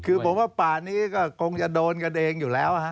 คือผมว่าป่านี้ก็คงจะโดนกันเองอยู่แล้วฮะ